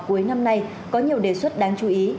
cuối năm nay có nhiều đề xuất đáng chú ý